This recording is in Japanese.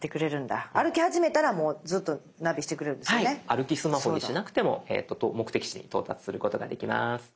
歩きスマホにしなくても目的地に到達することができます。